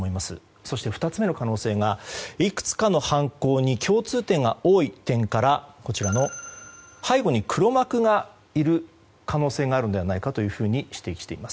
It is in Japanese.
そして２つ目の可能性がいくつかの犯行に共通点が多い点から背後に黒幕がいる可能性があるのではないかと指摘しています。